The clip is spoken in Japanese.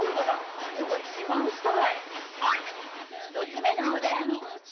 １つ目のお悩み